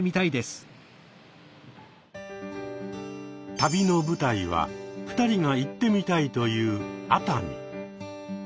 旅の舞台は２人が行ってみたいという熱海。